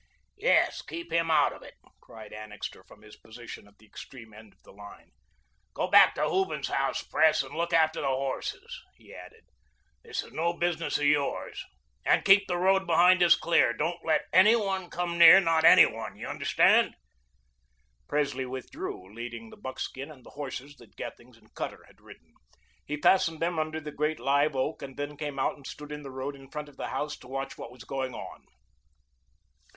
"Yes, keep him out of it," cried Annixter from his position at the extreme end of the line. "Go back to Hooven's house, Pres, and look after the horses," he added. "This is no business of yours. And keep the road behind us clear. Don't let ANY ONE come near, not ANY ONE, understand?" Presley withdrew, leading the buckskin and the horses that Gethings and Cutter had ridden. He fastened them under the great live oak and then came out and stood in the road in front of the house to watch what was going on.